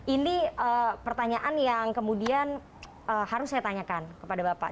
ini pertanyaan yang kemudian harus saya tanyakan kepada bapak